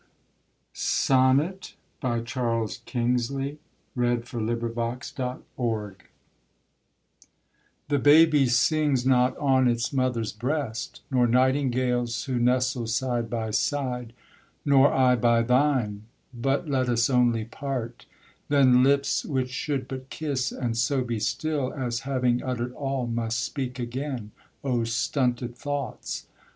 so am given to God. Bertrich in the Eifel, 1851. SONNET The baby sings not on its mother's breast; Nor nightingales who nestle side by side; Nor I by thine: but let us only part, Then lips which should but kiss, and so be still, As having uttered all, must speak again O stunted thoughts!